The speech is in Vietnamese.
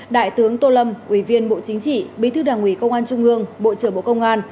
đại tướng tô lâm ủy viên bộ chính trị bí thư đảng ủy công an trung ương bộ trưởng bộ công an